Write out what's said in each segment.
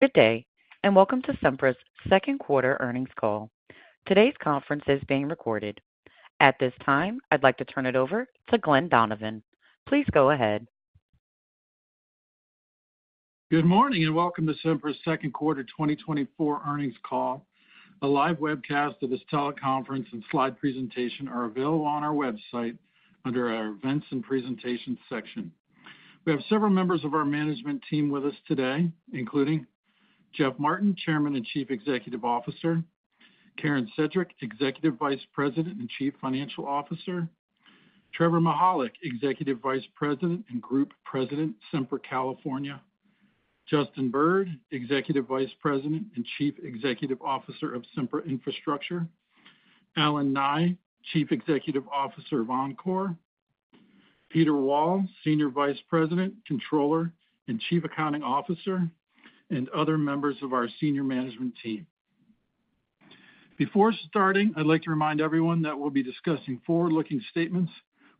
Good day, and welcome to Sempra's second quarter earnings call. Today's conference is being recorded. At this time, I'd like to turn it over to Glen Donovan. Please go ahead. Good morning, and welcome to Sempra's second quarter 2024 earnings call. A live webcast of this teleconference and slide presentation are available on our website under our Events and Presentations section. We have several members of our management team with us today, including Jeff Martin, Chairman and Chief Executive Officer; Karen Sedgwick, Executive Vice President and Chief Financial Officer; Trevor Mihalik, Executive Vice President and Group President, Sempra California; Justin Bird, Executive Vice President and Chief Executive Officer of Sempra Infrastructure; Allen Nye, Chief Executive Officer of Oncor; Peter Wall, Senior Vice President, Controller, and Chief Accounting Officer, and other members of our senior management team. Before starting, I'd like to remind everyone that we'll be discussing forward-looking statements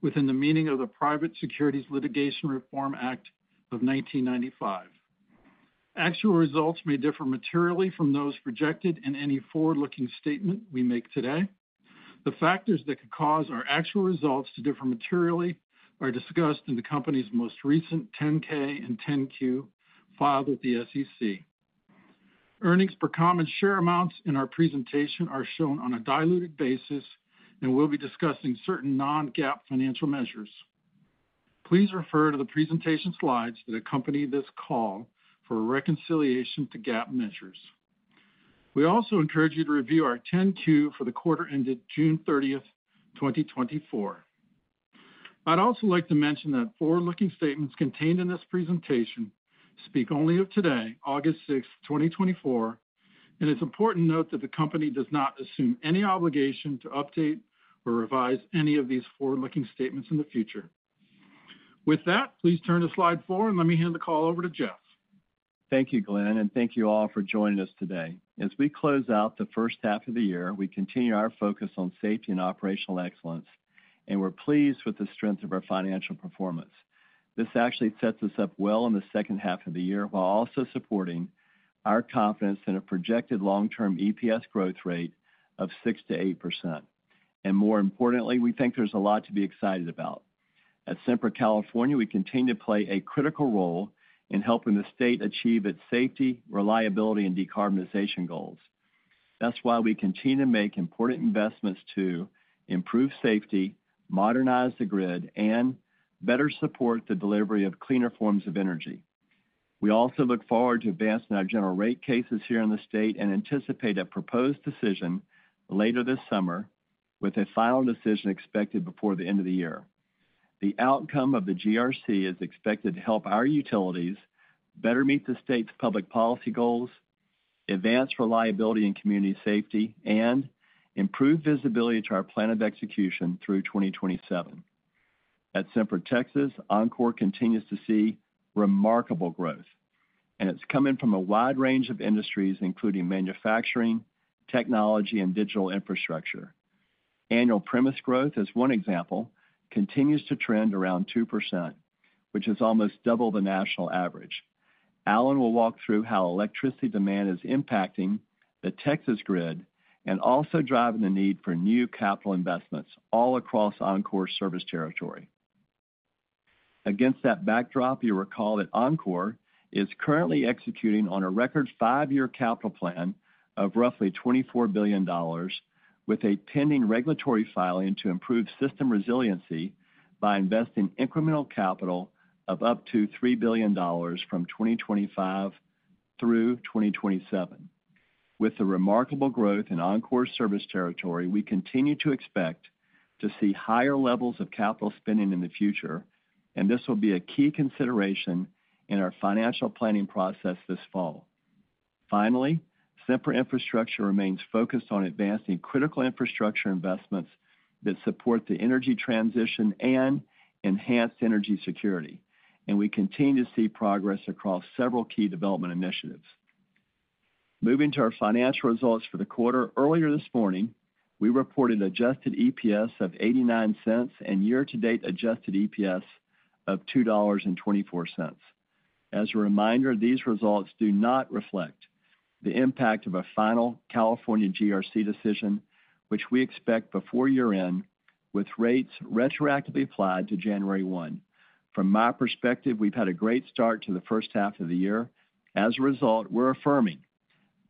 within the meaning of the Private Securities Litigation Reform Act of 1995. Actual results may differ materially from those projected in any forward-looking statement we make today. The factors that could cause our actual results to differ materially are discussed in the company's most recent 10-K and 10-Q filed with the SEC. Earnings per common share amounts in our presentation are shown on a diluted basis, and we'll be discussing certain non-GAAP financial measures. Please refer to the presentation slides that accompany this call for a reconciliation to GAAP measures. We also encourage you to review our 10-Q for the quarter ended June 30, 2024. I'd also like to mention that forward-looking statements contained in this presentation speak only of today, August 6, 2024, and it's important to note that the company does not assume any obligation to update or revise any of these forward-looking statements in the future. With that, please turn to slide four and let me hand the call over to Jeff. Thank you, Glen, and thank you all for joining us today. As we close out the first half of the year, we continue our focus on safety and operational excellence, and we're pleased with the strength of our financial performance. This actually sets us up well in the second half of the year, while also supporting our confidence in a projected long-term EPS growth rate of 6%-8%. And more importantly, we think there's a lot to be excited about. At Sempra California, we continue to play a critical role in helping the state achieve its safety, reliability, and decarbonization goals. That's why we continue to make important investments to improve safety, modernize the grid, and better support the delivery of cleaner forms of energy. We also look forward to advancing our general rate cases here in the state and anticipate a proposed decision later this summer, with a final decision expected before the end of the year. The outcome of the GRC is expected to help our utilities better meet the state's public policy goals, advance reliability and community safety, and improve visibility to our plan of execution through 2027. At Sempra Texas, Oncor continues to see remarkable growth, and it's coming from a wide range of industries, including manufacturing, technology, and digital infrastructure. Annual premise growth, as one example, continues to trend around 2%, which is almost double the national average. Allen will walk through how electricity demand is impacting the Texas grid and also driving the need for new capital investments all across Oncor's service territory. Against that backdrop, you'll recall that Oncor is currently executing on a record five-year capital plan of roughly $24 billion, with a pending regulatory filing to improve system resiliency by investing incremental capital of up to $3 billion from 2025 through 2027. With the remarkable growth in Oncor service territory, we continue to expect to see higher levels of capital spending in the future, and this will be a key consideration in our financial planning process this fall. Finally, Sempra Infrastructure remains focused on advancing critical infrastructure investments that support the energy transition and enhanced energy security, and we continue to see progress across several key development initiatives. Moving to our financial results for the quarter, earlier this morning, we reported Adjusted EPS of $0.89 and year-to-date Adjusted EPS of $2.24. As a reminder, these results do not reflect the impact of a final California GRC decision, which we expect before year-end, with rates retroactively applied to January 1. From my perspective, we've had a great start to the first half of the year. As a result, we're affirming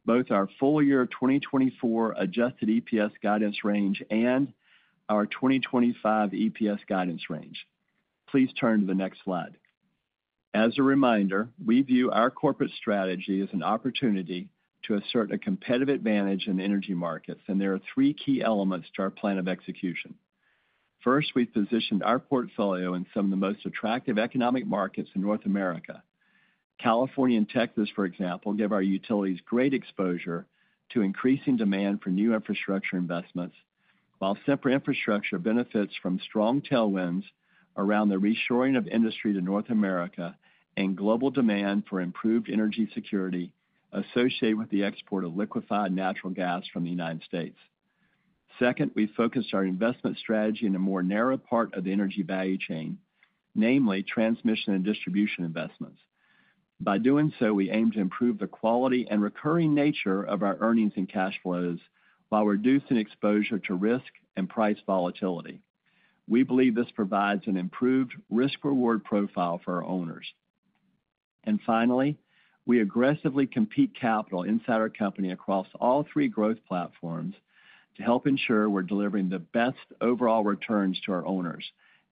both our full year 2024 adjusted EPS guidance range and our 2025 EPS guidance range. Please turn to the next slide. As a reminder, we view our corporate strategy as an opportunity to assert a competitive advantage in energy markets, and there are three key elements to our plan of execution. First, we've positioned our portfolio in some of the most attractive economic markets in North America. California and Texas, for example, give our utilities great exposure to increasing demand for new infrastructure investments, while Sempra Infrastructure benefits from strong tailwinds around the reshoring of industry to North America and global demand for improved energy security associated with the export of liquefied natural gas from the United States. Second, we focused our investment strategy in a more narrow part of the energy value chain, namely transmission and distribution investments. By doing so, we aim to improve the quality and recurring nature of our earnings and cash flows while reducing exposure to risk and price volatility. We believe this provides an improved risk-reward profile for our owners. And finally, we aggressively compete capital inside our company across all three growth platforms to help ensure we're delivering the best overall returns to our owners.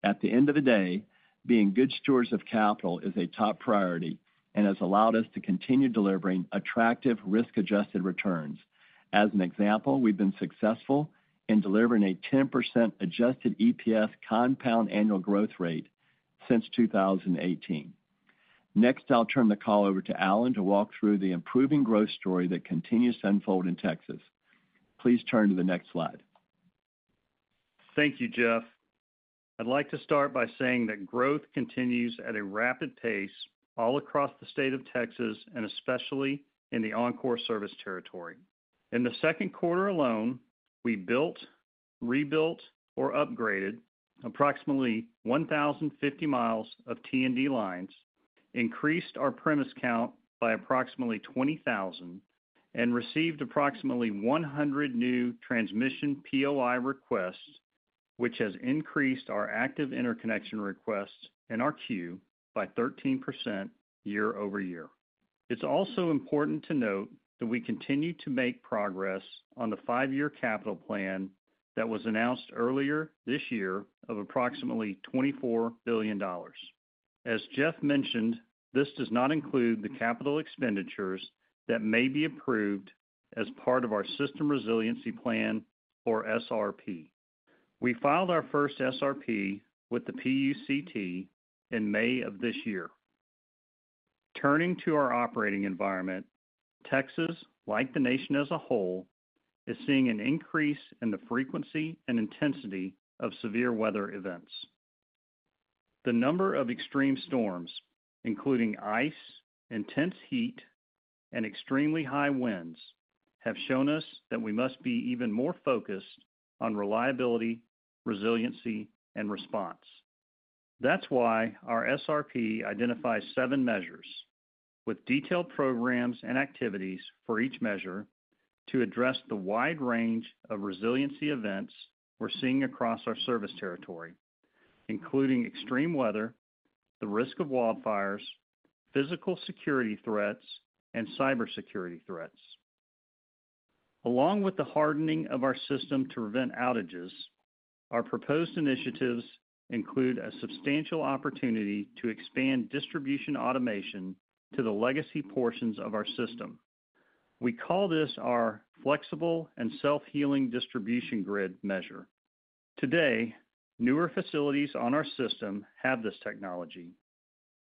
At the end of the day, being good stewards of capital is a top priority and has allowed us to continue delivering attractive risk-adjusted returns. As an example, we've been successful in delivering a 10% Adjusted EPS compound annual growth rate since 2018. Next, I'll turn the call over to Allen to walk through the improving growth story that continues to unfold in Texas. Please turn to the next slide. Thank you, Jeff. I'd like to start by saying that growth continues at a rapid pace all across the state of Texas, and especially in the Oncor service territory. In the second quarter alone, we built, rebuilt, or upgraded approximately 1,050 miles of T&D lines, increased our premise count by approximately 20,000, and received approximately 100 new transmission POI requests, which has increased our active interconnection requests in our queue by 13% year-over-year. It's also important to note that we continue to make progress on the 5-year capital plan that was announced earlier this year of approximately $24 billion. As Jeff mentioned, this does not include the capital expenditures that may be approved as part of our system resiliency plan or SRP. We filed our first SRP with the PUCT in May of this year. Turning to our operating environment, Texas, like the nation as a whole, is seeing an increase in the frequency and intensity of severe weather events. The number of extreme storms, including ice, intense heat, and extremely high winds, have shown us that we must be even more focused on reliability, resiliency, and response. That's why our SRP identifies seven measures with detailed programs and activities for each measure to address the wide range of resiliency events we're seeing across our service territory, including extreme weather, the risk of wildfires, physical security threats, and cybersecurity threats. Along with the hardening of our system to prevent outages, our proposed initiatives include a substantial opportunity to expand distribution automation to the legacy portions of our system. We call this our flexible and self-healing distribution grid measure. Today, newer facilities on our system have this technology,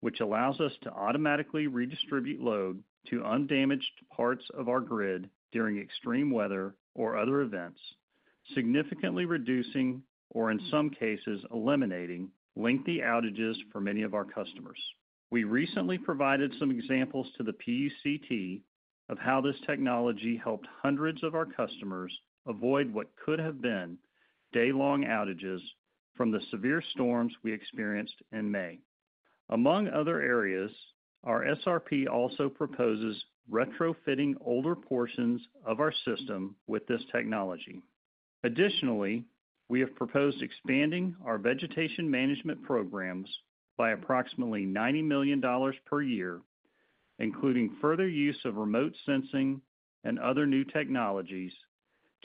which allows us to automatically redistribute load to undamaged parts of our grid during extreme weather or other events, significantly reducing, or in some cases, eliminating lengthy outages for many of our customers. We recently provided some examples to the PUCT of how this technology helped hundreds of our customers avoid what could have been day-long outages from the severe storms we experienced in May. Among other areas, our SRP also proposes retrofitting older portions of our system with this technology. Additionally, we have proposed expanding our vegetation management programs by approximately $90 million per year, including further use of remote sensing and other new technologies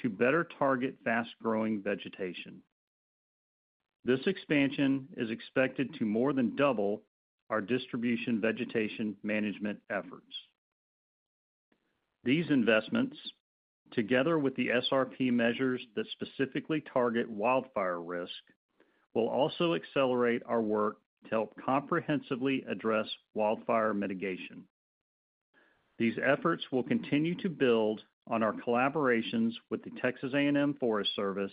to better target fast-growing vegetation. This expansion is expected to more than double our distribution vegetation management efforts. These investments, together with the SRP measures that specifically target wildfire risk, will also accelerate our work to help comprehensively address wildfire mitigation. These efforts will continue to build on our collaborations with the Texas A&M Forest Service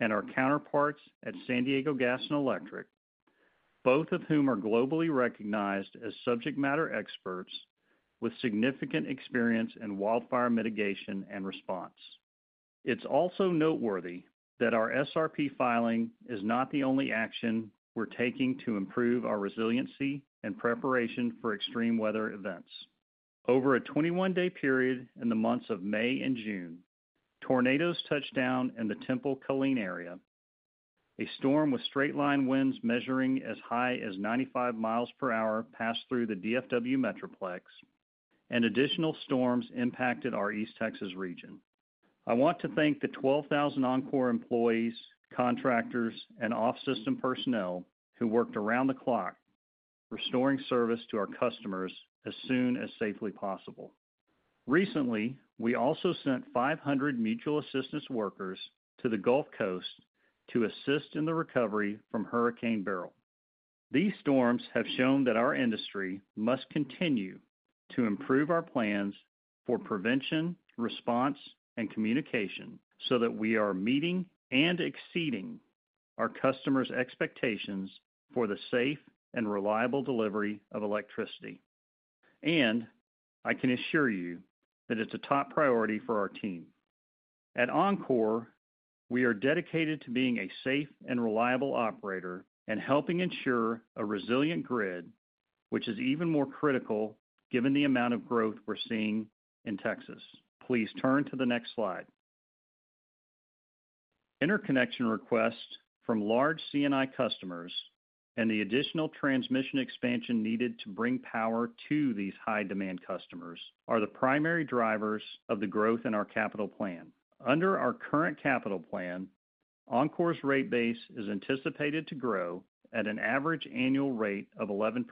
and our counterparts at San Diego Gas and Electric, both of whom are globally recognized as subject matter experts with significant experience in wildfire mitigation and response. It's also noteworthy that our SRP filing is not the only action we're taking to improve our resiliency and preparation for extreme weather events. Over a 21-day period in the months of May and June, tornadoes touched down in the Temple-Killeen area. A storm with straight-line winds measuring as high as 95 miles per hour passed through the DFW Metroplex, and additional storms impacted our East Texas region. I want to thank the 12,000 Oncor employees, contractors, and off-system personnel who worked around the clock restoring service to our customers as soon as safely possible. Recently, we also sent 500 mutual assistance workers to the Gulf Coast to assist in the recovery from Hurricane Beryl. These storms have shown that our industry must continue to improve our plans for prevention, response, and communication so that we are meeting and exceeding our customers' expectations for the safe and reliable delivery of electricity.... I can assure you that it's a top priority for our team. At Oncor, we are dedicated to being a safe and reliable operator and helping ensure a resilient grid, which is even more critical given the amount of growth we're seeing in Texas. Please turn to the next slide. Interconnection requests from large CNI customers and the additional transmission expansion needed to bring power to these high-demand customers are the primary drivers of the growth in our capital plan. Under our current capital plan, Oncor's rate base is anticipated to grow at an average annual rate of 11%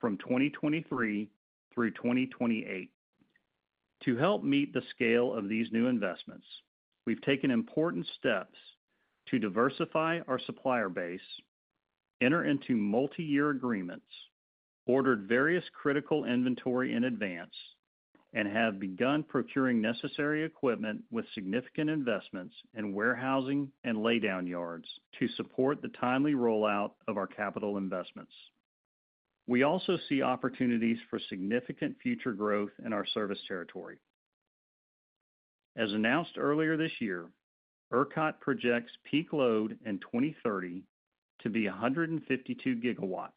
from 2023 through 2028. To help meet the scale of these new investments, we've taken important steps to diversify our supplier base, enter into multiyear agreements, ordered various critical inventory in advance, and have begun procuring necessary equipment with significant investments in warehousing and laydown yards to support the timely rollout of our capital investments. We also see opportunities for significant future growth in our service territory. As announced earlier this year, ERCOT projects peak load in 2030 to be 152 GW,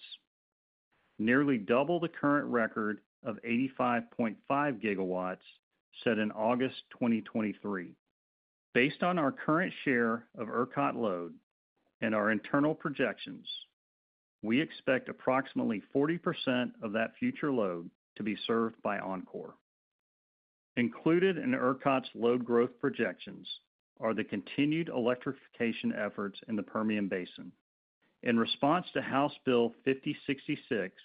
nearly double the current record of 85.5 GW, set in August 2023. Based on our current share of ERCOT load and our internal projections, we expect approximately 40% of that future load to be served by Oncor. Included in ERCOT's load growth projections are the continued electrification efforts in the Permian Basin. In response to House Bill 5066,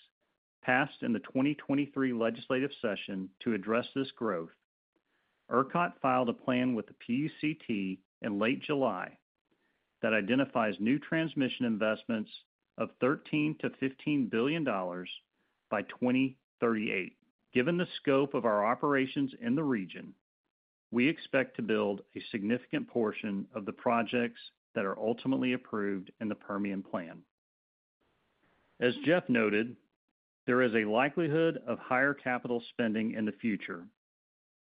passed in the 2023 legislative session to address this growth, ERCOT filed a plan with the PUCT in late July that identifies new transmission investments of $13 billion-$15 billion by 2038. Given the scope of our operations in the region, we expect to build a significant portion of the projects that are ultimately approved in the Permian plan. As Jeff noted, there is a likelihood of higher capital spending in the future,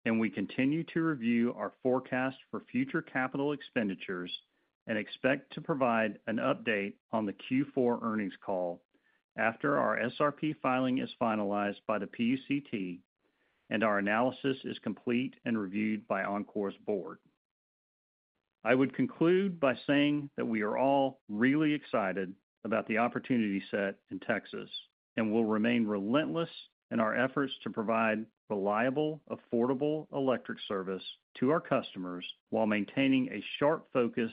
and we continue to review our forecast for future capital expenditures and expect to provide an update on the Q4 earnings call after our SRP filing is finalized by the PUCT and our analysis is complete and reviewed by Oncor's board. I would conclude by saying that we are all really excited about the opportunity set in Texas, and we'll remain relentless in our efforts to provide reliable, affordable electric service to our customers, while maintaining a sharp focus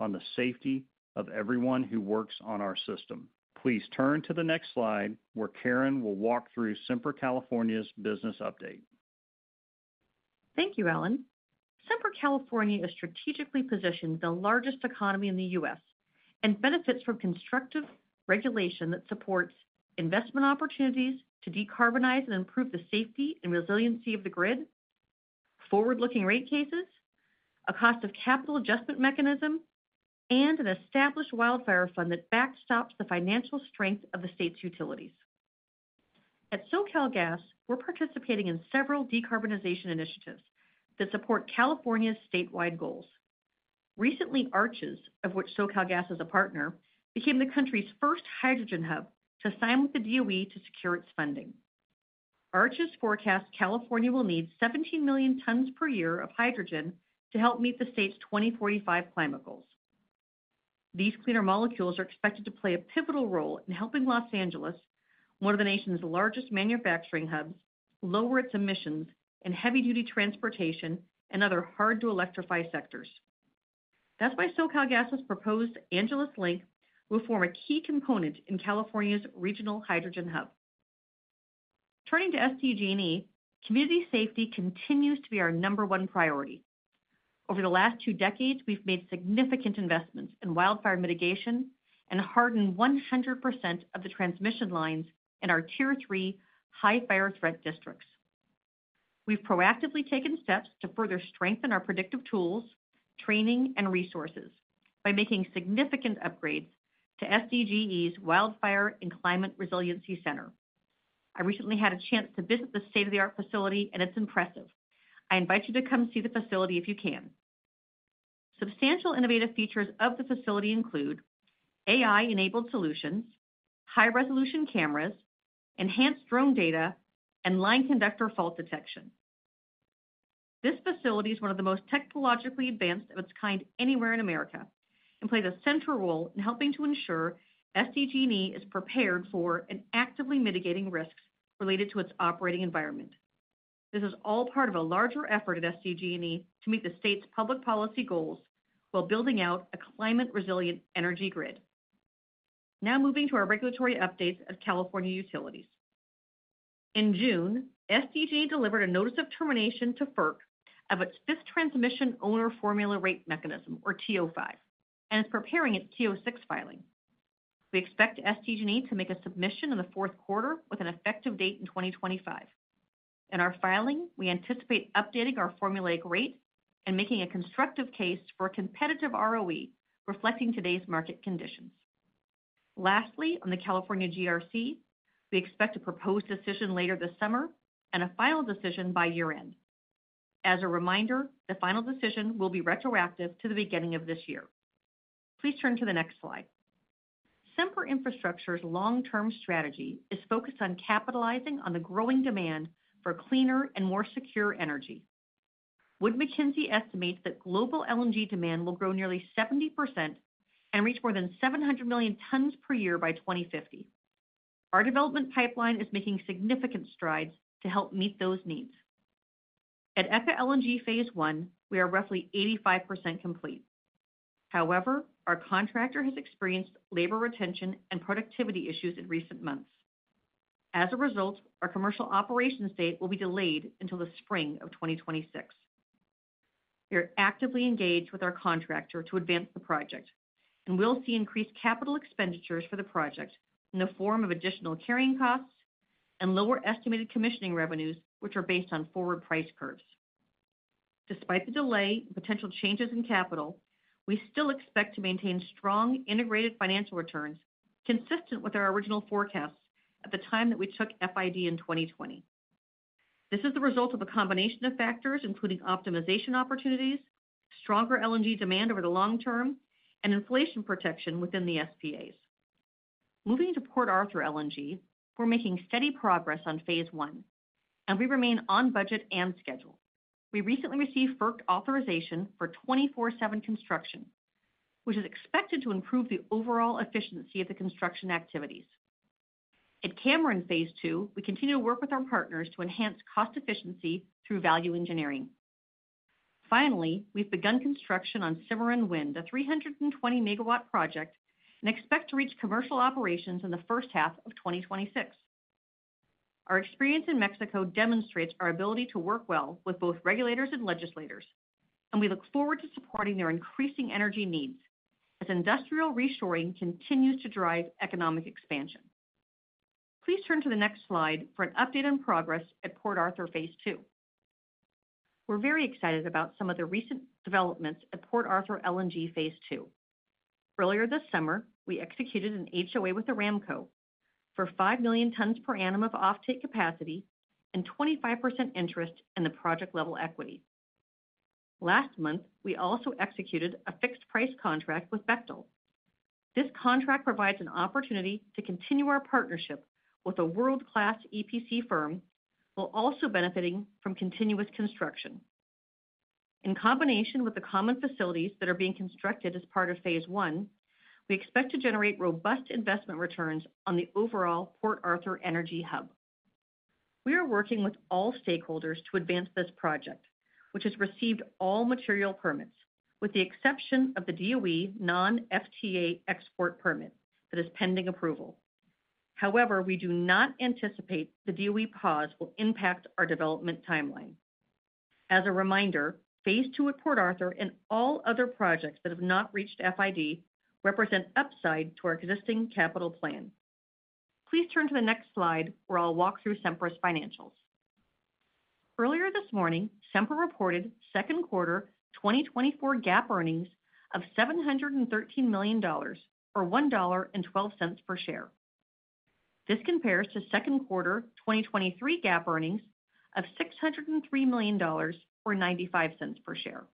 on the safety of everyone who works on our system. Please turn to the next slide, where Karen will walk through Sempra California's business update. Thank you, Allen. Sempra California is strategically positioned, the largest economy in the U.S., and benefits from constructive regulation that supports investment opportunities to decarbonize and improve the safety and resiliency of the grid, forward-looking rate cases, a cost of capital adjustment mechanism, and an established wildfire fund that backstops the financial strength of the state's utilities. At SoCalGas, we're participating in several decarbonization initiatives that support California's statewide goals. Recently, ARCHES, of which SoCalGas is a partner, became the country's first hydrogen hub to sign with the DOE to secure its funding. ARCHES forecasts California will need 17 million tons per year of hydrogen to help meet the state's 2045 climate goals. These cleaner molecules are expected to play a pivotal role in helping Los Angeles, one of the nation's largest manufacturing hubs, lower its emissions and heavy-duty transportation and other hard-to-electrify sectors. That's why SoCalGas's proposed Angeles Link will form a key component in California's regional hydrogen hub. Turning to SDG&E, community safety continues to be our number one priority. Over the last two decades, we've made significant investments in wildfire mitigation and hardened 100% of the transmission lines in our Tier 3 high fire threat districts. We've proactively taken steps to further strengthen our predictive tools, training, and resources by making significant upgrades to SDG&E's Wildfire and Climate Resiliency Center. I recently had a chance to visit the state-of-the-art facility, and it's impressive. I invite you to come see the facility if you can. Substantial innovative features of the facility include: AI-enabled solutions, high-resolution cameras, enhanced drone data, and line conductor fault detection. This facility is one of the most technologically advanced of its kind anywhere in America and plays a central role in helping to ensure SDG&E is prepared for and actively mitigating risks related to its operating environment. This is all part of a larger effort at SDG&E to meet the state's public policy goals while building out a climate-resilient energy grid. Now moving to our regulatory updates of California utilities. In June, SDG&E delivered a notice of termination to FERC of its fifth transmission owner formula rate mechanism, or TO5, and is preparing its TO6 filing. We expect SDG&E to make a submission in the fourth quarter with an effective date in 2025. In our filing, we anticipate updating our formulaic rate and making a constructive case for a competitive ROE, reflecting today's market conditions. Lastly, on the California GRC, we expect a proposed decision later this summer and a final decision by year-end. As a reminder, the final decision will be retroactive to the beginning of this year. Please turn to the next slide. Sempra Infrastructure's long-term strategy is focused on capitalizing on the growing demand for cleaner and more secure energy. Wood Mackenzie estimates that global LNG demand will grow nearly 70% and reach more than 700 million tons per year by 2050. Our development pipeline is making significant strides to help meet those needs. At ECA LNG Phase 1, we are roughly 85% complete. However, our contractor has experienced labor retention and productivity issues in recent months. As a result, our commercial operations date will be delayed until the spring of 2026. We are actively engaged with our contractor to advance the project, and we'll see increased capital expenditures for the project in the form of additional carrying costs and lower estimated commissioning revenues, which are based on forward price curves. Despite the delay and potential changes in capital, we still expect to maintain strong integrated financial returns consistent with our original forecasts at the time that we took FID in 2020. This is the result of a combination of factors, including optimization opportunities, stronger LNG demand over the long term, and inflation protection within the SPAs. Moving to Port Arthur LNG, we're making steady progress on Phase 1, and we remain on budget and schedule. We recently received FERC authorization for 24/7 construction, which is expected to improve the overall efficiency of the construction activities. At Cameron Phase 2, we continue to work with our partners to enhance cost efficiency through value engineering. Finally, we've begun construction on Cimarron Wind, a 320 MW project, and expect to reach commercial operations in the first half of 2026. Our experience in Mexico demonstrates our ability to work well with both regulators and legislators, and we look forward to supporting their increasing energy needs as industrial reshoring continues to drive economic expansion. Please turn to the next slide for an update on progress at Port Arthur Phase 2. We're very excited about some of the recent developments at Port Arthur LNG Phase 2. Earlier this summer, we executed an HOA with Aramco for 5 million tons per annum of offtake capacity and 25% interest in the project level equity. Last month, we also executed a fixed-price contract with Bechtel. This contract provides an opportunity to continue our partnership with a world-class EPC firm, while also benefiting from continuous construction. In combination with the common facilities that are being constructed as part of Phase 1, we expect to generate robust investment returns on the overall Port Arthur Energy Hub. We are working with all stakeholders to advance this project, which has received all material permits, with the exception of the DOE non-FTA export permit that is pending approval. However, we do not anticipate the DOE pause will impact our development timeline. As a reminder, Phase 2 at Port Arthur and all other projects that have not reached FID represent upside to our existing capital plan. Please turn to the next slide, where I'll walk through Sempra's financials. Earlier this morning, Sempra reported second quarter 2024 GAAP earnings of $713 million, or $1.12 per share. This compares to second quarter 2023 GAAP earnings of $603 million, or $0.95 per share.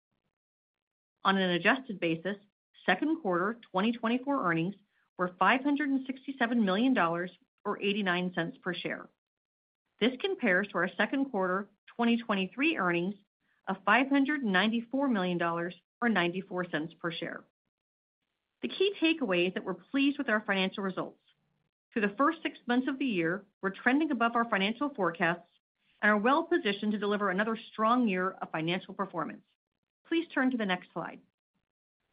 On an adjusted basis, second quarter 2024 earnings were $567 million, or $0.89 per share. This compares to our second quarter 2023 earnings of $594 million, or $0.94 per share. The key takeaway is that we're pleased with our financial results. Through the first six months of the year, we're trending above our financial forecasts and are well positioned to deliver another strong year of financial performance. Please turn to the next slide.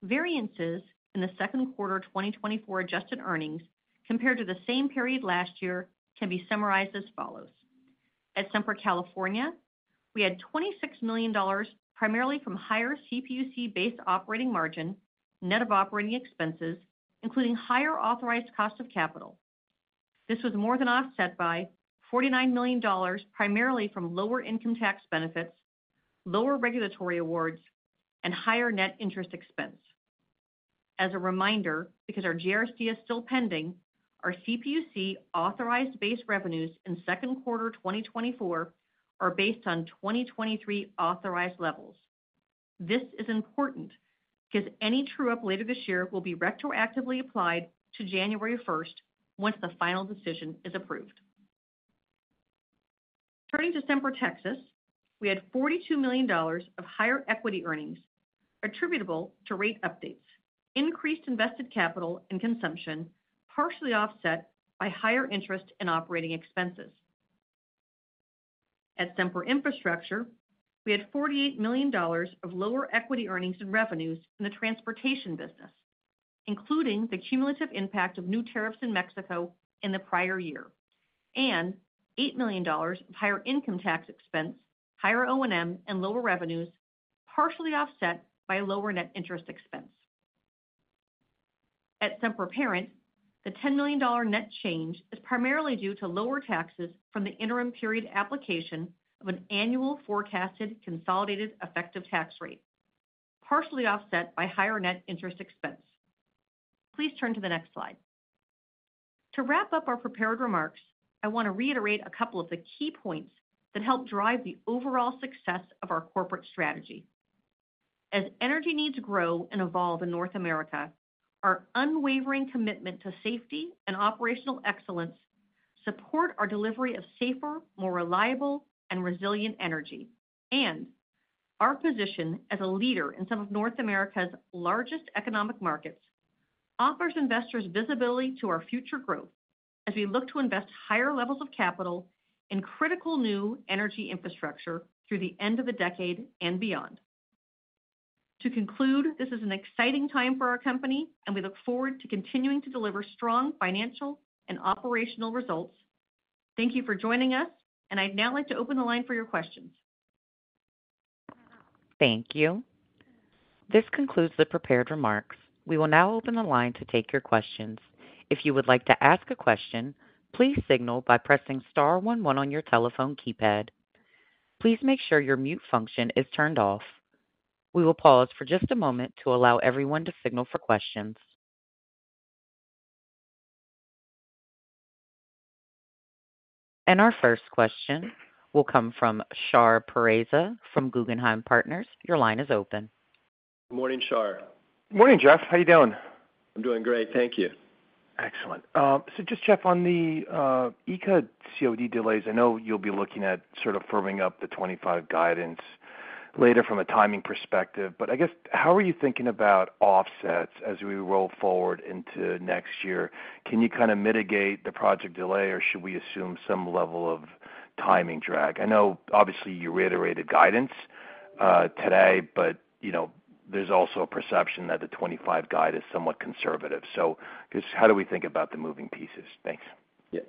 Variances in the second quarter 2024 adjusted earnings compared to the same period last year can be summarized as follows: At Sempra California, we had $26 million primarily from higher CPUC-based operating margin, net of operating expenses, including higher authorized cost of capital. This was more than offset by $49 million, primarily from lower income tax benefits, lower regulatory awards, and higher net interest expense. As a reminder, because our GRC is still pending, our CPUC authorized base revenues in second quarter 2024 are based on 2023 authorized levels. This is important because any true-up later this year will be retroactively applied to January first, once the final decision is approved. Turning to Sempra Texas, we had $42 million of higher equity earnings attributable to rate updates, increased invested capital and consumption, partially offset by higher interest and operating expenses. At Sempra Infrastructure, we had $48 million of lower equity earnings and revenues in the transportation business, including the cumulative impact of new tariffs in Mexico in the prior year, and $8 million of higher income tax expense, higher O&M, and lower revenues, partially offset by lower net interest expense... at Sempra parent, the $10 million net change is primarily due to lower taxes from the interim period application of an annual forecasted consolidated effective tax rate, partially offset by higher net interest expense. Please turn to the next slide. To wrap up our prepared remarks, I want to reiterate a couple of the key points that help drive the overall success of our corporate strategy. As energy needs grow and evolve in North America, our unwavering commitment to safety and operational excellence support our delivery of safer, more reliable and resilient energy. Our position as a leader in some of North America's largest economic markets offers investors visibility to our future growth as we look to invest higher levels of capital in critical new energy infrastructure through the end of the decade and beyond. To conclude, this is an exciting time for our company, and we look forward to continuing to deliver strong financial and operational results. Thank you for joining us, and I'd now like to open the line for your questions. Thank you. This concludes the prepared remarks. We will now open the line to take your questions. If you would like to ask a question, please signal by pressing star one one on your telephone keypad. Please make sure your mute function is turned off. We will pause for just a moment to allow everyone to signal for questions. Our first question will come from Shar Pourreza from Guggenheim Partners. Your line is open. Good morning, Shar. Morning, Jeff. How are you doing? I'm doing great. Thank you. Excellent. So just, Jeff, on the ECA COD delays, I know you'll be looking at sort of firming up the 25 Guidance later from a timing perspective, but I guess, how are you thinking about offsets as we roll forward into next year? Can you kind of mitigate the project delay, or should we assume some level of timing drag? I know obviously, you reiterated guidance today, but you know, there's also a perception that the 25 Guide is somewhat conservative. So just how do we think about the moving pieces? Thanks. Yeah.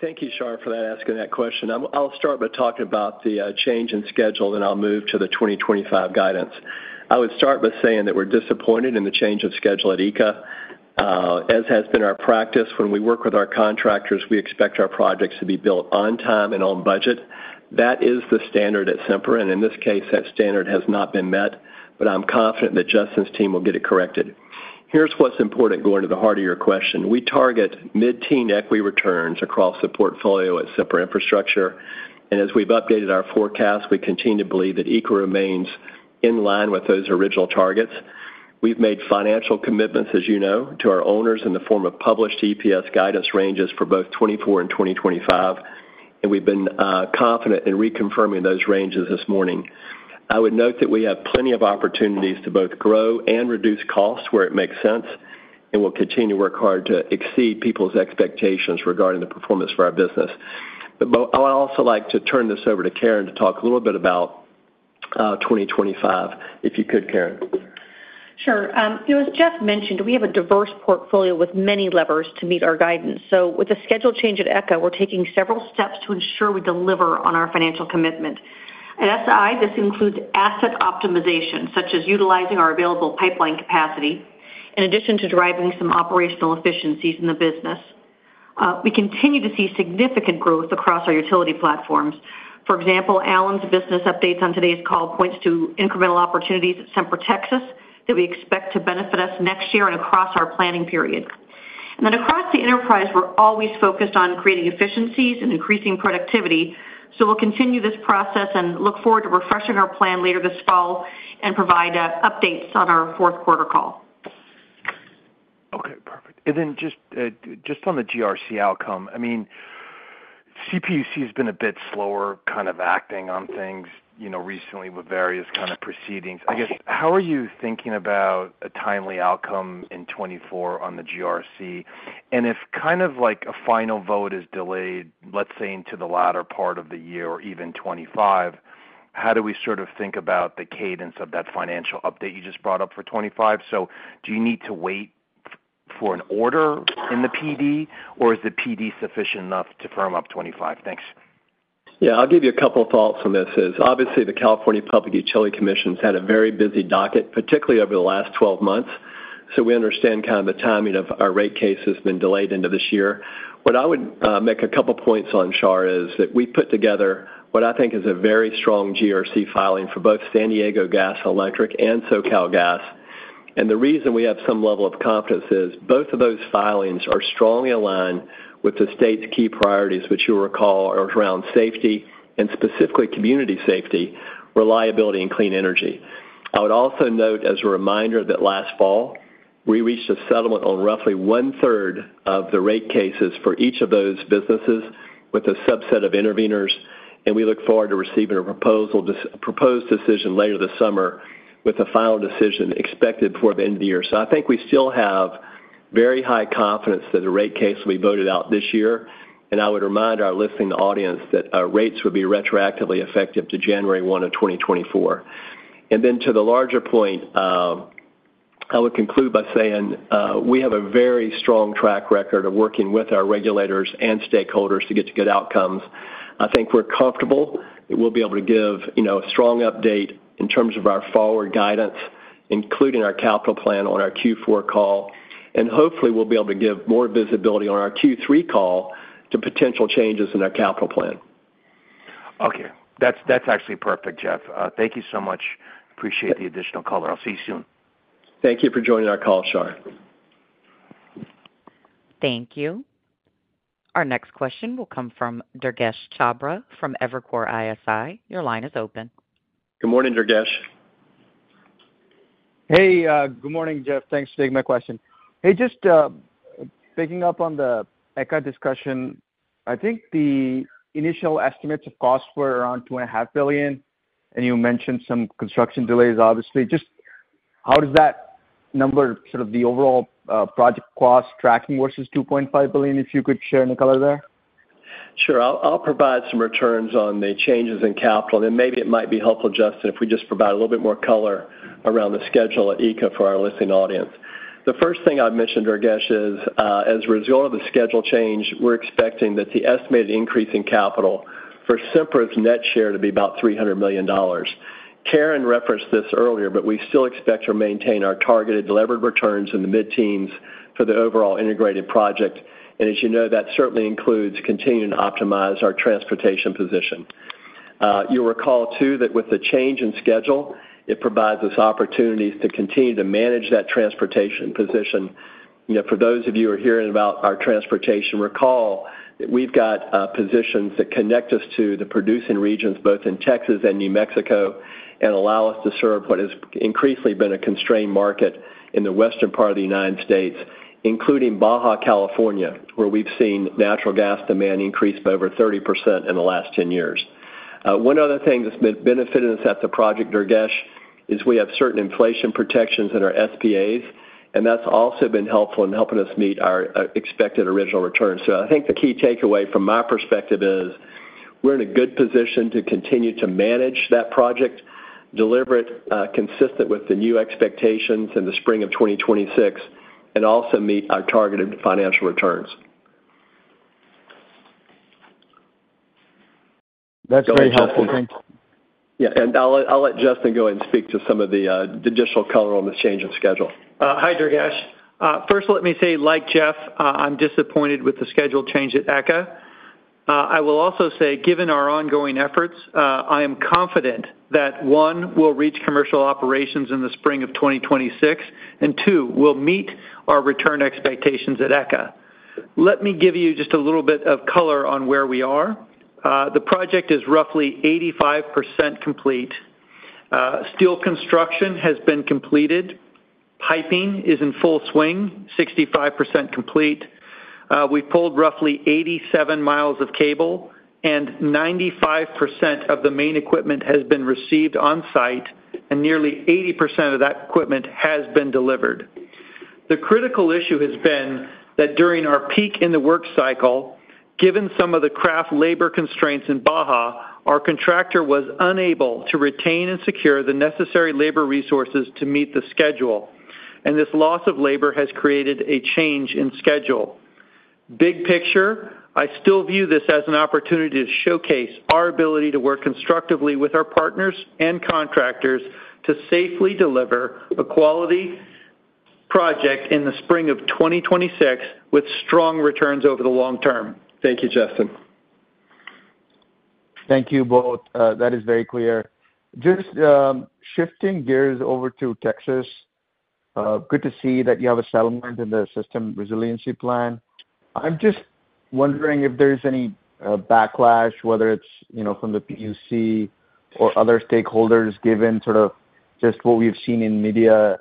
Thank you, Shar, for that, asking that question. I'll start by talking about the change in schedule, then I'll move to the 2025 guidance. I would start by saying that we're disappointed in the change of schedule at ECA. As has been our practice, when we work with our contractors, we expect our projects to be built on time and on budget. That is the standard at Sempra, and in this case, that standard has not been met, but I'm confident that Justin's team will get it corrected. Here's what's important, going to the heart of your question. We target mid-teen equity returns across the portfolio at Sempra Infrastructure, and as we've updated our forecast, we continue to believe that ECA remains in line with those original targets. We've made financial commitments, as you know, to our owners in the form of published EPS guidance ranges for both 2024 and 2025, and we've been confident in reconfirming those ranges this morning. I would note that we have plenty of opportunities to both grow and reduce costs where it makes sense, and we'll continue to work hard to exceed people's expectations regarding the performance for our business. But I would also like to turn this over to Karen to talk a little bit about 2025, if you could, Karen. Sure. You know, as Jeff mentioned, we have a diverse portfolio with many levers to meet our guidance. So with the schedule change at ECA, we're taking several steps to ensure we deliver on our financial commitment. At SI, this includes asset optimization, such as utilizing our available pipeline capacity, in addition to deriving some operational efficiencies in the business. We continue to see significant growth across our utility platforms. For example, Allen's business updates on today's call points to incremental opportunities at Sempra Texas that we expect to benefit us next year and across our planning period. And then across the enterprise, we're always focused on creating efficiencies and increasing productivity. So we'll continue this process and look forward to refreshing our plan later this fall and provide updates on our fourth quarter call. Okay, perfect. And then just on the GRC outcome, I mean, CPUC has been a bit slower kind of acting on things, you know, recently with various kind of proceedings. I guess, how are you thinking about a timely outcome in 2024 on the GRC? And if kind of like a final vote is delayed, let's say, into the latter part of the year or even 2025, how do we sort of think about the cadence of that financial update you just brought up for 2025? So do you need to wait for an order in the PD, or is the PD sufficient enough to firm up 2025? Thanks. Yeah, I'll give you a couple of thoughts on this is, obviously, the California Public Utilities Commission has had a very busy docket, particularly over the last 12 months. So we understand kind of the timing of our rate case has been delayed into this year. What I would make a couple of points on, Shar, is that we put together what I think is a very strong GRC filing for both San Diego Gas & Electric and SoCalGas. And the reason we have some level of confidence is both of those filings are strongly aligned with the state's key priorities, which you'll recall are around safety and specifically community safety, reliability, and clean energy. I would also note, as a reminder, that last fall, we reached a settlement on roughly one-third of the rate cases for each of those businesses with a subset of interveners, and we look forward to receiving a proposed decision later this summer, with a final decision expected before the end of the year. So I think we still have very high confidence that a rate case will be voted out this year. And I would remind our listening audience that our rates would be retroactively effective to January 1, 2024. And then to the larger point, I would conclude by saying, we have a very strong track record of working with our regulators and stakeholders to get to good outcomes. I think we're comfortable that we'll be able to give, you know, a strong update in terms of our forward guidance, including our capital plan on our Q4 call. Hopefully, we'll be able to give more visibility on our Q3 call to potential changes in our capital plan. Okay. That's, that's actually perfect, Jeff. Thank you so much. Appreciate the additional color. I'll see you soon. Thank you for joining our call, Shar. Thank you. Our next question will come from Durgesh Chopra from Evercore ISI. Your line is open. Good morning, Durgesh. Hey, good morning, Jeff. Thanks for taking my question. Hey, just picking up on the ECA discussion, I think the initial estimates of costs were around $2.5 billion, and you mentioned some construction delays, obviously. Just how does that number, sort of the overall project cost tracking versus $2.5 billion, if you could share any color there? Sure. I'll, I'll provide some returns on the changes in capital, and maybe it might be helpful, Justin, if we just provide a little bit more color around the schedule at ECA for our listening audience. The first thing I'd mention, Durgesh, is, as a result of the schedule change, we're expecting that the estimated increase in capital for Sempra's net share to be about $300 million. Karen referenced this earlier, but we still expect to maintain our targeted delivered returns in the mid-teens for the overall integrated project, and as you know, that certainly includes continuing to optimize our transportation position. You'll recall, too, that with the change in schedule, it provides us opportunities to continue to manage that transportation position. You know, for those of you who are hearing about our transportation, recall that we've got positions that connect us to the producing regions, both in Texas and New Mexico, and allow us to serve what has increasingly been a constrained market in the western part of the United States, including Baja California, where we've seen natural gas demand increase by over 30% in the last 10 years. One other thing that's been benefiting us at the project, Durgesh, is we have certain inflation protections in our SPAs, and that's also been helpful in helping us meet our expected original returns. So I think the key takeaway from my perspective is, we're in a good position to continue to manage that project, deliver it consistent with the new expectations in the spring of 2026, and also meet our targeted financial returns. That's very helpful. Thanks. Yeah, and I'll let, I'll let Justin go ahead and speak to some of the additional color on this change in schedule. Hi, Durgesh. First, let me say, like Jeff, I'm disappointed with the schedule change at ECA. I will also say, given our ongoing efforts, I am confident that, one, we'll reach commercial operations in the spring of 2026, and two, we'll meet our return expectations at ECA. Let me give you just a little bit of color on where we are. The project is roughly 85% complete. Steel construction has been completed. Piping is in full swing, 65% complete. We've pulled roughly 87 miles of cable, and 95% of the main equipment has been received on site, and nearly 80% of that equipment has been delivered. The critical issue has been that during our peak in the work cycle, given some of the craft labor constraints in Baja, our contractor was unable to retain and secure the necessary labor resources to meet the schedule, and this loss of labor has created a change in schedule. Big picture, I still view this as an opportunity to showcase our ability to work constructively with our partners and contractors to safely deliver a quality project in the spring of 2026 with strong returns over the long term. Thank you, Justin. Thank you both. That is very clear. Just shifting gears over to Texas, good to see that you have a settlement in the System Resiliency Plan. I'm just wondering if there's any backlash, whether it's, you know, from the PUC or other stakeholders, given sort of just what we've seen in media,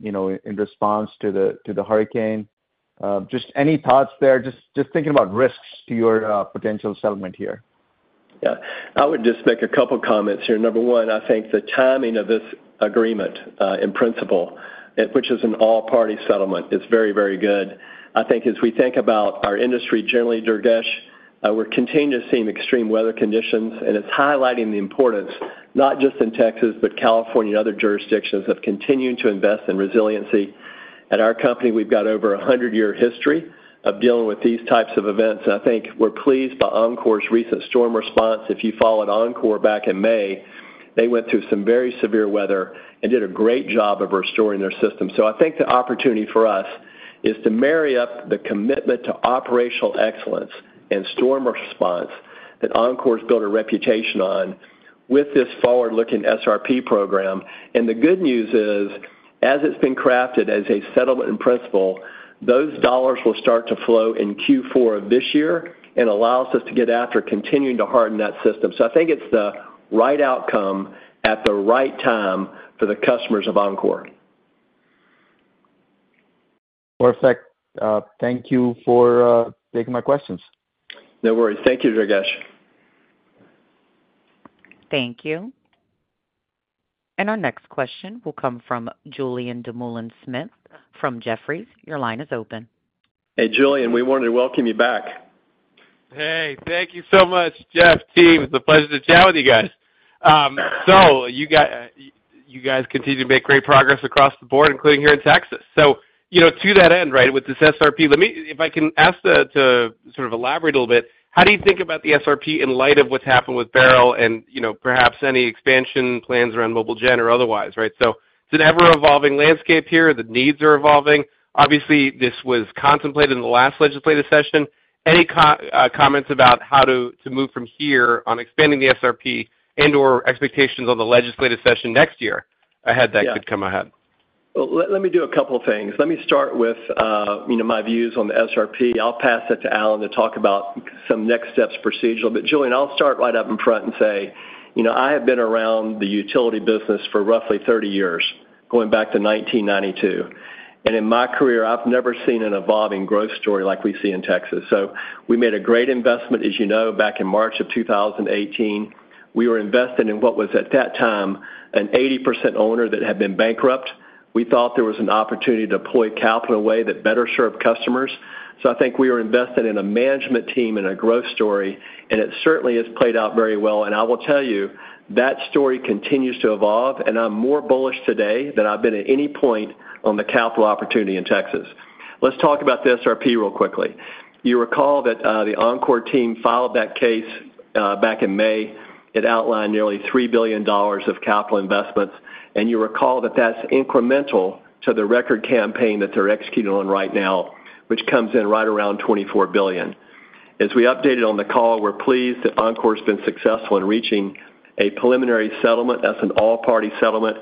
you know, in response to the hurricane. Just any thoughts there? Just thinking about risks to your potential settlement here. Yeah. I would just make a couple comments here. Number one, I think the timing of this agreement in principle, which is an all-party settlement, is very, very good. I think as we think about our industry generally, Durgesh, we're continuing to see extreme weather conditions, and it's highlighting the importance, not just in Texas, but California and other jurisdictions, of continuing to invest in resiliency. At our company, we've got over a 100-year history of dealing with these types of events, and I think we're pleased by Oncor's recent storm response. If you followed Oncor back in May, they went through some very severe weather and did a great job of restoring their system. So I think the opportunity for us is to marry up the commitment to operational excellence and storm response that Oncor's built a reputation on with this forward-looking SRP program. The good news is, as it's been crafted as a settlement in principle, those dollars will start to flow in Q4 of this year and allows us to get after continuing to harden that system. So I think it's the right outcome at the right time for the customers of Oncor. Perfect. Thank you for taking my questions. No worries. Thank you, Durgesh. Thank you. Our next question will come from Julien Dumoulin-Smith from Jefferies. Your line is open. Hey, Julien, we want to welcome you back. Hey, thank you so much, Jeff, Steve. It's a pleasure to chat with you guys.... So you guys continue to make great progress across the board, including here in Texas. So, you know, to that end, right, with this SRP, let me, if I can ask, to sort of elaborate a little bit, how do you think about the SRP in light of what's happened with Beryl and, you know, perhaps any expansion plans around mobileGen or otherwise, right? So it's an ever-evolving landscape here. The needs are evolving. Obviously, this was contemplated in the last legislative session. Any comments about how to move from here on expanding the SRP and/or expectations on the legislative session next year ahead that could come ahead? Well, let me do a couple of things. Let me start with, you know, my views on the SRP. I'll pass it to Allen to talk about some next steps procedural. But Julien, I'll start right up in front and say, you know, I have been around the utility business for roughly 30 years, going back to 1992, and in my career, I've never seen an evolving growth story like we see in Texas. So we made a great investment, as you know, back in March 2018. We were invested in what was, at that time, an 80% owner that had been bankrupt. We thought there was an opportunity to deploy capital in a way that better served customers. So I think we are invested in a management team and a growth story, and it certainly has played out very well. And I will tell you, that story continues to evolve, and I'm more bullish today than I've been at any point on the capital opportunity in Texas. Let's talk about the SRP really quickly. You recall that the Oncor team filed that case back in May. It outlined nearly $3 billion of capital investments, and you recall that that's incremental to the record campaign that they're executing on right now, which comes in right around $24 billion. As we updated on the call, we're pleased that Oncor's been successful in reaching a preliminary settlement. That's an all-party settlement,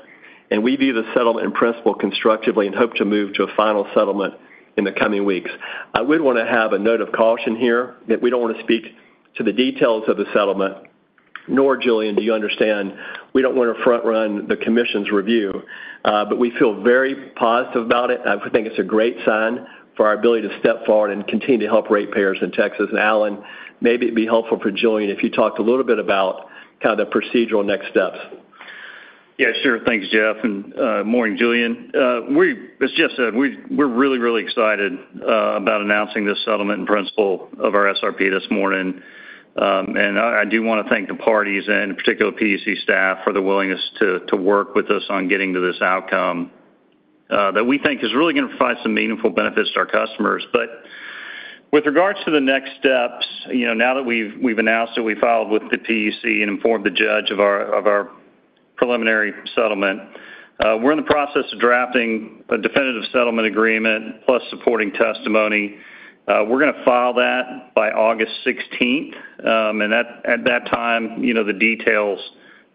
and we view the settlement in principle constructively and hope to move to a final settlement in the coming weeks. I would want to have a note of caution here, that we don't want to speak to the details of the settlement, nor, Julien, do you understand we don't want to front-run the commission's review, but we feel very positive about it. I think it's a great sign for our ability to step forward and continue to help rate payers in Texas. And Allen, maybe it'd be helpful for Julien if you talked a little bit about kind of the procedural next steps. Yeah, sure. Thanks, Jeff, and morning, Julien. As Jeff said, we're really, really excited about announcing this settlement in principle of our SRP this morning. And I do want to thank the parties and in particular, PUCT staff, for the willingness to work with us on getting to this outcome that we think is really going to provide some meaningful benefits to our customers. But with regards to the next steps, you know, now that we've announced that we filed with the PUCT and informed the judge of our preliminary settlement, we're in the process of drafting a definitive settlement agreement plus supporting testimony. We're gonna file that by August sixteenth, and at that time, you know, the details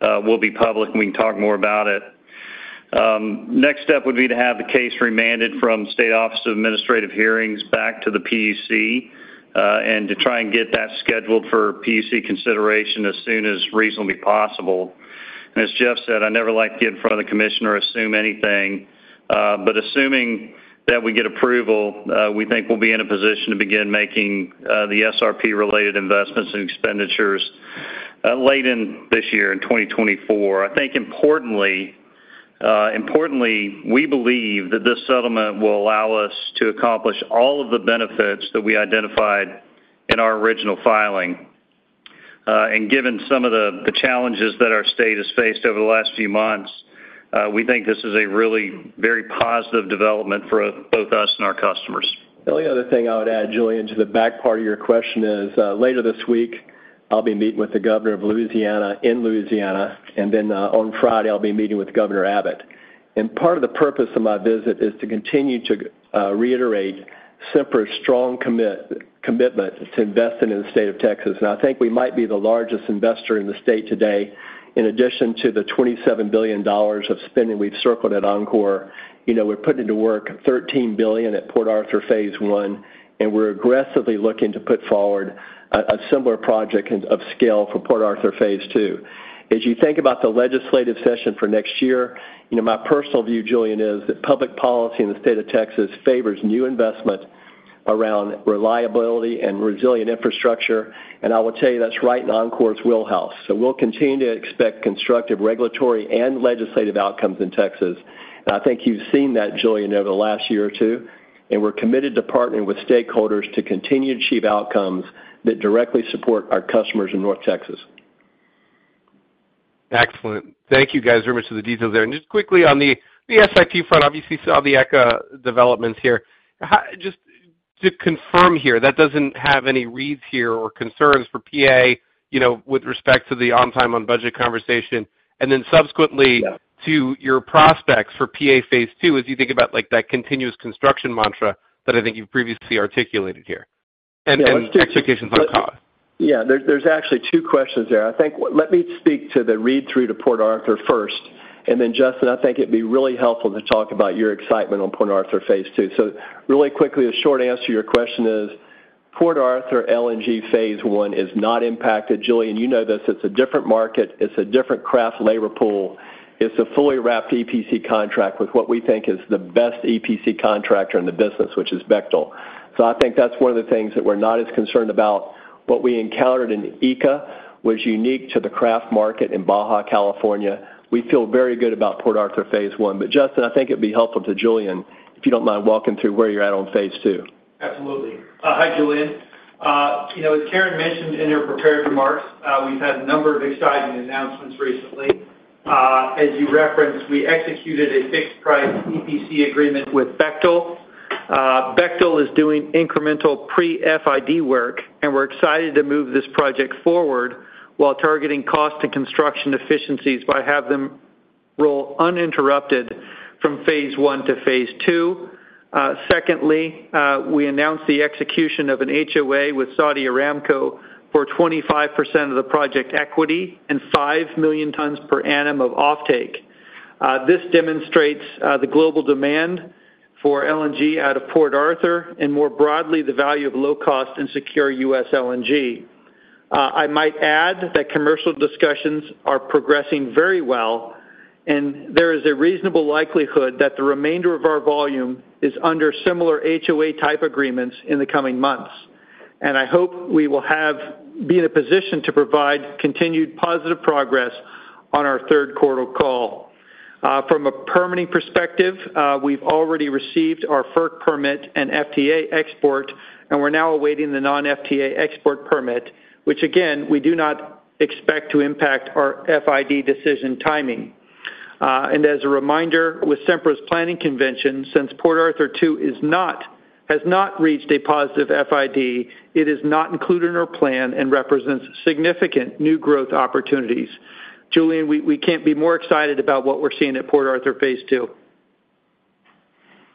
will be public, and we can talk more about it. Next step would be to have the case remanded from State Office of Administrative Hearings back to the PEC, and to try and get that scheduled for PEC consideration as soon as reasonably possible. And as Jeff said, I never like to get in front of the commissioner or assume anything, but assuming that we get approval, we think we'll be in a position to begin making the SRP-related investments and expenditures, late in this year, in 2024. I think importantly, importantly, we believe that this settlement will allow us to accomplish all of the benefits that we identified in our original filing. And given some of the challenges that our state has faced over the last few months, we think this is a really very positive development for both us and our customers. The only other thing I would add, Julien, to the back part of your question is, later this week, I'll be meeting with the governor of Louisiana in Louisiana, and then, on Friday, I'll be meeting with Governor Abbott. And part of the purpose of my visit is to continue to, reiterate Sempra's strong commitment to investing in the state of Texas. And I think we might be the largest investor in the state today, in addition to the $27 billion of spending we've circled at Oncor. You know, we're putting into work $13 billion at Port Arthur Phase 1, and we're aggressively looking to put forward a, a similar project and of scale for Port Arthur Phase 2. As you think about the legislative session for next year, you know, my personal view, Julien, is that public policy in the state of Texas favors new investment around reliability and resilient infrastructure, and I will tell you that's right in Oncor's wheelhouse. So we'll continue to expect constructive, regulatory, and legislative outcomes in Texas. And I think you've seen that, Julien, over the last year or two, and we're committed to partnering with stakeholders to continue to achieve outcomes that directly support our customers in North Texas. Excellent. Thank you, guys, very much for the details there. And just quickly on the SI front, obviously, saw the ECA developments here. How—just to confirm here, that doesn't have any reads here or concerns for PA, you know, with respect to the on time, on budget conversation, and then subsequently- Yeah... to your prospects for PA Phase 2, as you think about, like, that continuous construction mantra that I think you've previously articulated here, and, and expectations on cost. Yeah, there's actually two questions there. I think, let me speak to the read-through to Port Arthur first, and then Justin, I think it'd be really helpful to talk about your excitement on Port Arthur Phase 2. So really quickly, a short answer to your question is: Port Arthur LNG Phase 1 is not impacted. Julien, you know this, it's a different market, it's a different craft labor pool, it's a fully wrapped EPC contract with what we think is the best EPC contractor in the business, which is Bechtel. So I think that's one of the things that we're not as concerned about. What we encountered in ECA was unique to the craft market in Baja California. We feel very good about Port Arthur Phase 1. But Justin, I think it'd be helpful to Julien, if you don't mind, walking through where you're at on Phase 2. ...Absolutely. Hi, Julien. You know, as Karen mentioned in her prepared remarks, we've had a number of exciting announcements recently. As you referenced, we executed a fixed-price EPC agreement with Bechtel. Bechtel is doing incremental pre-FID work, and we're excited to move this project forward while targeting cost and construction efficiencies by having them roll uninterrupted from Phase 1 to Phase 2. Secondly, we announced the execution of an HOA with Saudi Aramco for 25% of the project equity and 5 million tons per annum of offtake. This demonstrates the global demand for LNG out of Port Arthur and, more broadly, the value of low-cost and secure US LNG. I might add that commercial discussions are progressing very well, and there is a reasonable likelihood that the remainder of our volume is under similar HOA-type agreements in the coming months. I hope we will be in a position to provide continued positive progress on our third quarter call. From a permitting perspective, we've already received our FERC permit and FTA export, and we're now awaiting the non-FTA export permit, which, again, we do not expect to impact our FID decision timing. As a reminder, with Sempra's planning convention, since Port Arthur Two is not, has not reached a positive FID, it is not included in our plan and represents significant new growth opportunities. Julien, we can't be more excited about what we're seeing at Port Arthur Phase 2.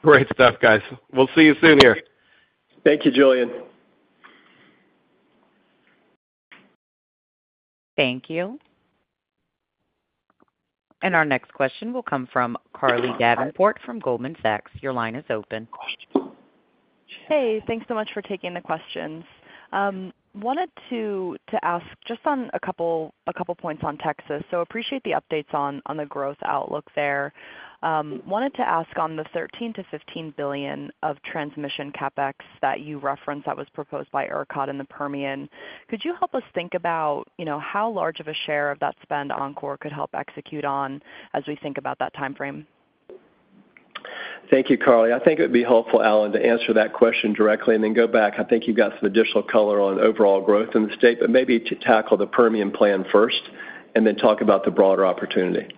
Great stuff, guys. We'll see you soon here. Thank you, Julien. Thank you. And our next question will come from Carly Davenport from Goldman Sachs. Your line is open. Hey, thanks so much for taking the questions. Wanted to ask just on a couple points on Texas. So appreciate the updates on the growth outlook there. Wanted to ask on the $13 billion-$15 billion of transmission CapEx that you referenced that was proposed by ERCOT in the Permian. Could you help us think about, you know, how large of a share of that spend Oncor could help execute on as we think about that time frame? Thank you, Carly. I think it would be helpful, Allen, to answer that question directly and then go back. I think you've got some additional color on overall growth in the state, but maybe to tackle the Permian plan first, and then talk about the broader opportunity.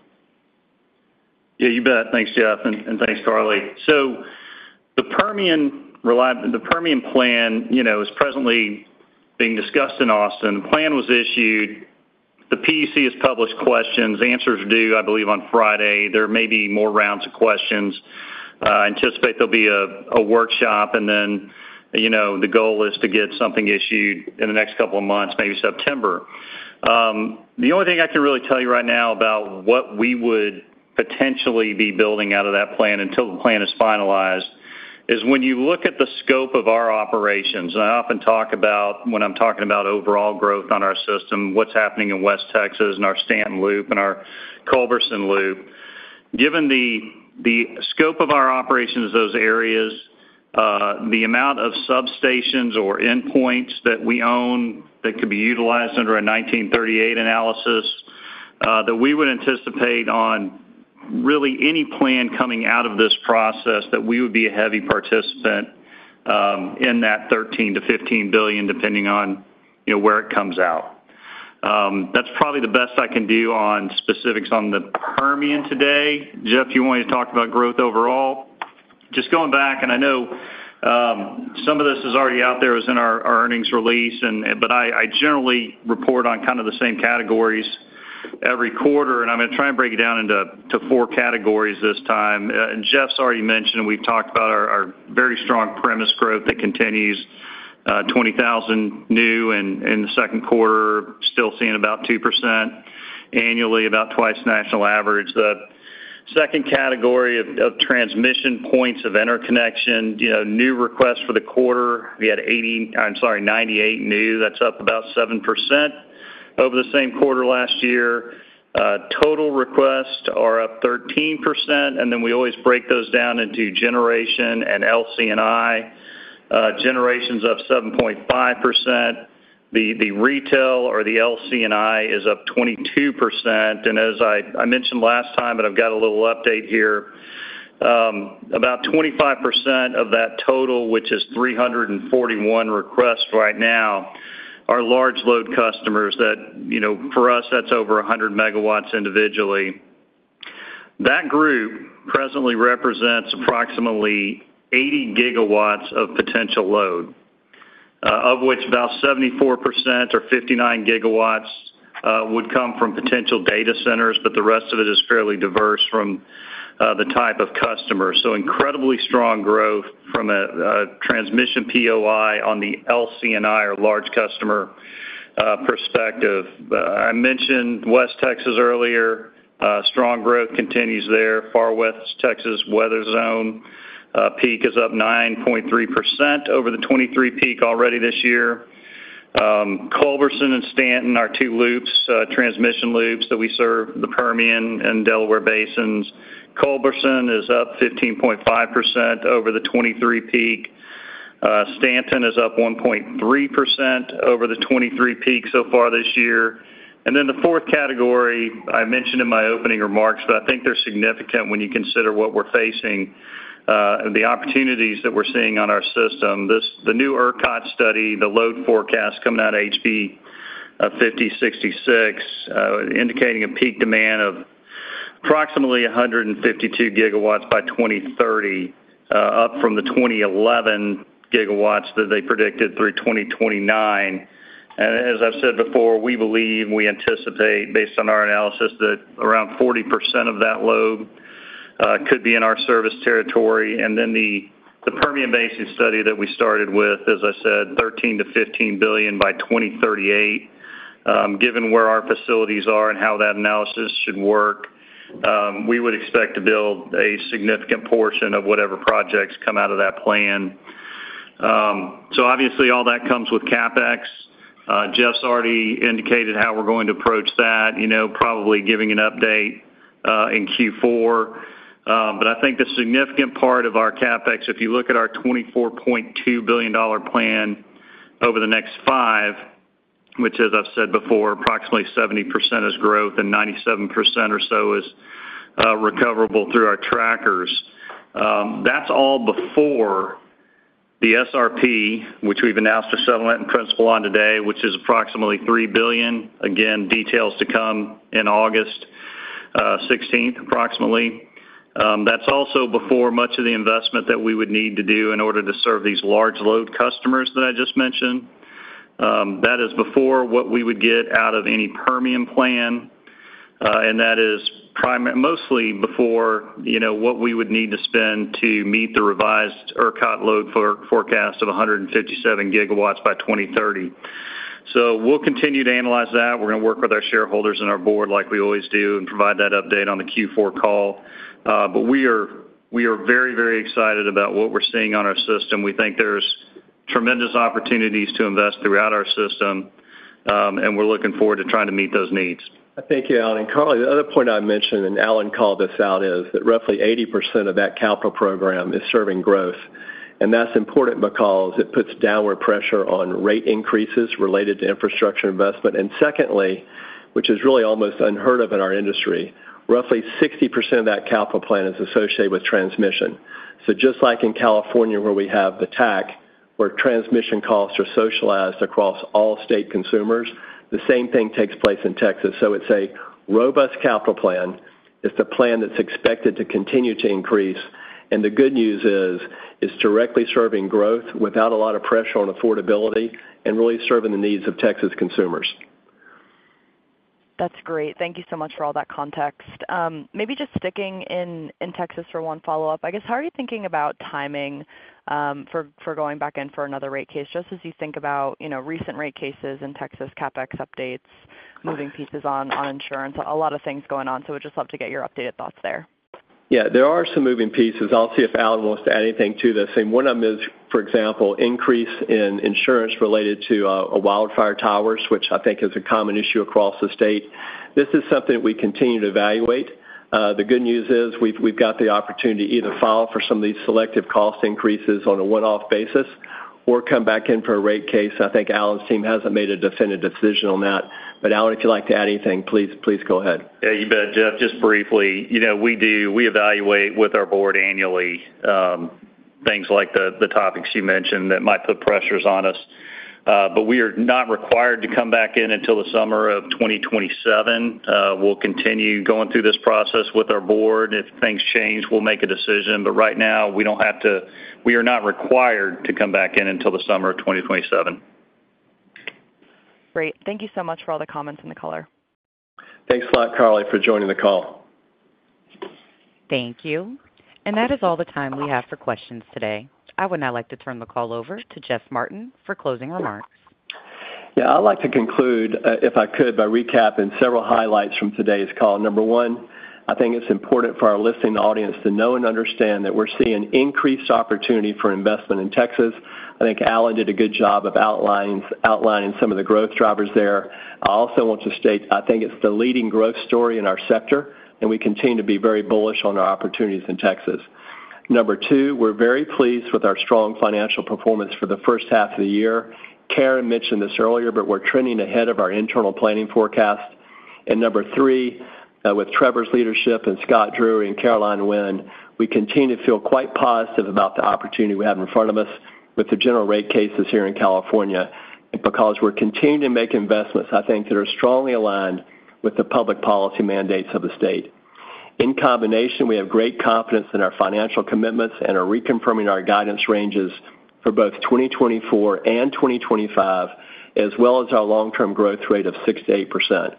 Yeah, you bet. Thanks, Jeff, and thanks, Carly. So the Permian plan, you know, is presently being discussed in Austin. The plan was issued. The PUCT has published questions. Answers are due, I believe, on Friday. There may be more rounds of questions. Anticipate there'll be a workshop, and then, you know, the goal is to get something issued in the next couple of months, maybe September. The only thing I can really tell you right now about what we would potentially be building out of that plan until the plan is finalized is when you look at the scope of our operations, and I often talk about when I'm talking about overall growth on our system, what's happening in West Texas and our Stanton Loop and our Culberson Loop. Given the scope of our operations, those areas, the amount of substations or endpoints that we own that could be utilized under a 1938 analysis, that we would anticipate on really any plan coming out of this process, that we would be a heavy participant in that $13 billion-$15 billion, depending on, you know, where it comes out. That's probably the best I can do on specifics on the Permian today. Jeff, you want me to talk about growth overall? Just going back, and I know, some of this is already out there, is in our earnings release, and, but I, I generally report on kind of the same categories every quarter, and I'm going to try and break it down into four categories this time. And Jeff's already mentioned, and we've talked about our very strong premise growth that continues, 20,000 new in the second quarter, still seeing about 2% annually, about twice the national average. The second category of transmission points of interconnection, you know, new requests for the quarter, we had eighty, I'm sorry, 98 new. That's up about 7% over the same quarter last year. Total requests are up 13%, and then we always break those down into generation and LC&I. Generation's up 7.5%. The retail or the LC&I is up 22%, and as I mentioned last time, but I've got a little update here, about 25% of that total, which is 341 requests right now, are large load customers that, you know, for us, that's over 100 MW individually. That group presently represents approximately 80 GW of potential load, of which about 74% or 59 GW would come from potential data centers, but the rest of it is fairly diverse from the type of customer. So incredibly strong growth from a transmission POI on the LC&I or large customer perspective. I mentioned West Texas earlier. Strong growth continues there. Far West Texas weather zone peak is up 9.3% over the 2023 peak already this year. Culberson and Stanton are two loops, transmission loops, that we serve the Permian and Delaware Basins. Culberson is up 15.5% over the 2023 peak. Stanton is up 1.3% over the 2023 peak so far this year. And then the fourth category I mentioned in my opening remarks, but I think they're significant when you consider what we're facing, and the opportunities that we're seeing on our system. The new ERCOT study, the load forecast coming out of House Bill 5066, indicating a peak demand of approximately 152 GW by 2030, up from the 21 GW that they predicted through 2029. And as I've said before, we believe, we anticipate, based on our analysis, that around 40% of that load could be in our service territory. And then the Permian Basin study that we started with, as I said, $13 billion-$15 billion by 2038. Given where our facilities are and how that analysis should work, we would expect to build a significant portion of whatever projects come out of that plan. So obviously, all that comes with CapEx. Jeff's already indicated how we're going to approach that, you know, probably giving an update in Q4. But I think the significant part of our CapEx, if you look at our $24.2 billion plan over the next five, which as I've said before, approximately 70% is growth and 97% or so is recoverable through our trackers. That's all before the SRP, which we've announced a settlement in principle on today, which is approximately $3 billion. Again, details to come in August 16, approximately. That's also before much of the investment that we would need to do in order to serve these large load customers that I just mentioned. That is before what we would get out of any Permian plan, and that is mostly before, you know, what we would need to spend to meet the revised ERCOT load forecast of 157 GW by 2030. So we'll continue to analyze that. We're gonna work with our shareholders and our board like we always do, and provide that update on the Q4 call. But we are, we are very, very excited about what we're seeing on our system. We think there's tremendous opportunities to invest throughout our system, and we're looking forward to trying to meet those needs. Thank you, Allen. Carly, the other point I mentioned, and Allen called this out, is that roughly 80% of that capital program is serving growth, and that's important because it puts downward pressure on rate increases related to infrastructure investment. And secondly, which is really almost unheard of in our industry, roughly 60% of that capital plan is associated with transmission. So just like in California, where we have the TAC, where transmission costs are socialized across all state consumers, the same thing takes place in Texas. So it's a robust capital plan. It's a plan that's expected to continue to increase, and the good news is, it's directly serving growth without a lot of pressure on affordability and really serving the needs of Texas consumers. That's great. Thank you so much for all that context. Maybe just sticking in Texas for one follow-up, I guess, how are you thinking about timing for going back in for another rate case? Just as you think about, you know, recent rate cases in Texas, CapEx updates, moving pieces on insurance, a lot of things going on, so we'd just love to get your updated thoughts there. Yeah, there are some moving pieces. I'll see if Allen wants to add anything to this. And one of them is, for example, increase in insurance related to a wildfire towers, which I think is a common issue across the state. This is something that we continue to evaluate. The good news is, we've got the opportunity to either file for some of these selective cost increases on a one-off basis or come back in for a rate case. I think Allen's team hasn't made a definitive decision on that, but, Allen, if you'd like to add anything, please, please go ahead. Yeah, you bet, Jeff. Just briefly, you know, we evaluate with our board annually, things like the, the topics you mentioned that might put pressures on us, but we are not required to come back in until the summer of 2027. We'll continue going through this process with our board. If things change, we'll make a decision, but right now, we don't have to-- we are not required to come back in until the summer of 2027. Great. Thank you so much for all the comments and the color. Thanks a lot, Carly, for joining the call. Thank you. That is all the time we have for questions today. I would now like to turn the call over to Jeff Martin for closing remarks. Yeah, I'd like to conclude, if I could, by recapping several highlights from today's call. Number one, I think it's important for our listening audience to know and understand that we're seeing increased opportunity for investment in Texas. I think Allen did a good job of outlining some of the growth drivers there. I also want to state, I think it's the leading growth story in our sector, and we continue to be very bullish on our opportunities in Texas. Number two, we're very pleased with our strong financial performance for the first half of the year. Karen mentioned this earlier, but we're trending ahead of our internal planning forecast. Number three, with Trevor's leadership and Scott Drury and Caroline Winn, we continue to feel quite positive about the opportunity we have in front of us with the general rate cases here in California, because we're continuing to make investments, I think, that are strongly aligned with the public policy mandates of the state. In combination, we have great confidence in our financial commitments and are reconfirming our guidance ranges for both 2024 and 2025, as well as our long-term growth rate of 6%-8%.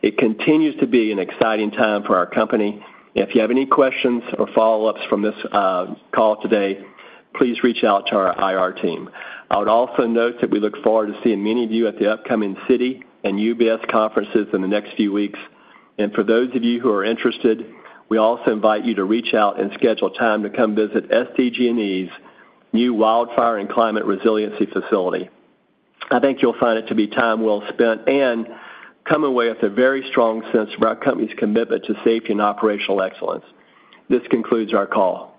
It continues to be an exciting time for our company, and if you have any questions or follow-ups from this call today, please reach out to our IR team. I would also note that we look forward to seeing many of you at the upcoming Citi and UBS conferences in the next few weeks. For those of you who are interested, we also invite you to reach out and schedule time to come visit SDG&E's new Wildfire and Climate Resiliency facility. I think you'll find it to be time well spent and come away with a very strong sense of our company's commitment to safety and operational excellence. This concludes our call.